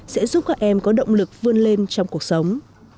sẽ giúp các em có động lực vươn lên trong cuộc sống